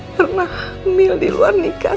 pernah hamil di luar nikah